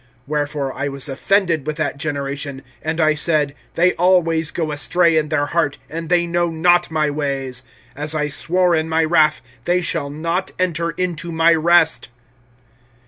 (10)Wherefore, I was offended with that generation; And I said: They always go astray in their heart, And they knew not my ways; (11)As I swore in my wrath, They shall not enter into my rest.